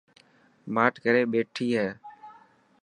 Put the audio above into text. ماٺ ڪري ٻيٺي هي.